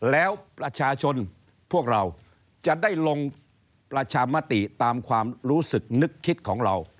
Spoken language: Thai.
แล้วประชาชนพวกเราจะได้ลงประชามติตามความรู้สึกนึกคิดของเรา